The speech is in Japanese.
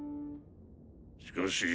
しかし。